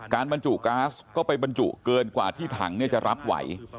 บรรจุก๊าซก็ไปบรรจุเกินกว่าที่ถังจะรับไหว